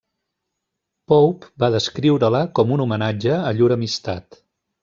Pope va descriure-la com un homenatge a llur amistat.